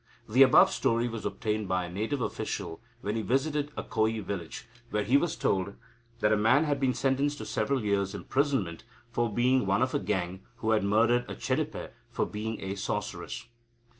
The above story was obtained by a Native official when he visited a Koyi village, where he was told that a man had been sentenced to several years' imprisonment for being one of a gang who had murdered a Chedipe for being a sorceress.